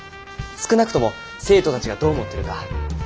少なくとも生徒たちがどう思ってるか聞いてみましょう。